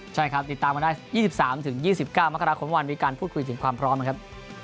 ใช่ครับติดตามมาได้๒๓๒๙มกราคมเมื่อวานมีการพูดคุยถึงความพร้อมนะครับ